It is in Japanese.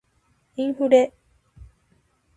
インフレ